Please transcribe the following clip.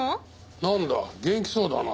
なんだ元気そうだな。